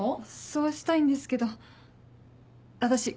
そうしたいんですけど私